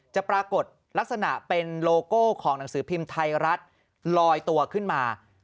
ปรากฏลักษณะเป็นโลโก้ของหนังสือพิมพ์ไทยรัฐลอยตัวขึ้นมา